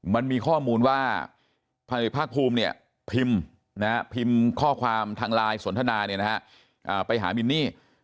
มันมีข้อมูลว่าพันเอกภาคภูมิเนี่ยพิมพ์พิมพ์ข้อความทางไลน์สนทนาไปหามินนี่